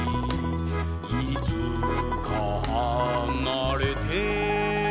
「いつかはなれて」